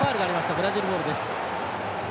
ブラジルボールです。